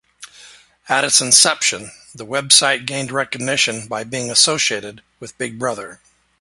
At its inception, the website gained recognition by being associated with Big Brother.